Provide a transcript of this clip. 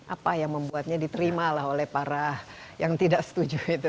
apa yang membuatnya diterima lah oleh para yang tidak setuju itu